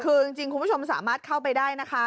คือจริงคุณผู้ชมสามารถเข้าไปได้นะคะ